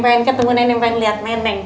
pengen ketemu neneng pengen liat neneng